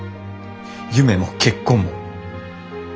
夢も結婚も。